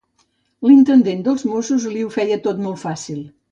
I l’intendent dels mossos li ho feia tot molt fàcil.